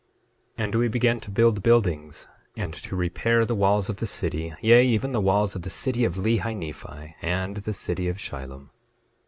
9:8 And we began to build buildings, and to repair the walls of the city, yea, even the walls of the city of Lehi Nephi, and the city of Shilom.